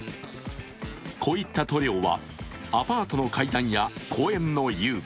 こういった塗料はアパートの階段や公園の遊具、